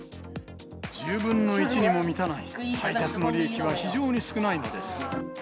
１０分の１にも満たない、配達の利益は非常に少ないのです。